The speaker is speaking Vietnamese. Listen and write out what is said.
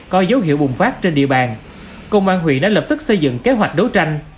có dấu hiệu bùng phát trên địa bàn công an huyện đã lập tức xây dựng kế hoạch đấu tranh